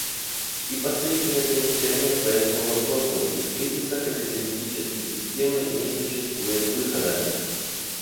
И последнее замечание по этому вопросу — из кризиса капиталистической системы не существует выхода.